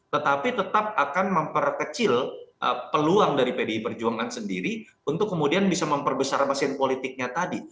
tetapi tetap akan memperkecil peluang dari pdi perjuangan sendiri untuk kemudian bisa memperbesar mesin politiknya tadi